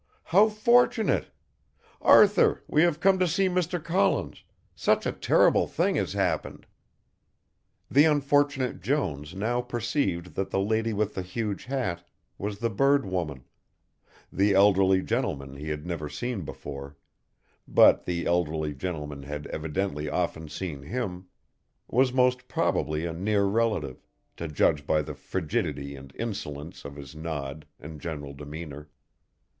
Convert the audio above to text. "How fortunate. Arthur, we have come to see Mr. Collins, such a terrible thing has happened." The unfortunate Jones now perceived that the lady with the huge hat was the bird woman, the elderly gentleman he had never seen before, but the elderly gentleman had evidently often seen him, was most probably a near relative, to judge by the frigidity and insolence of his nod and general demeanour.